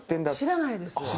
知らないです。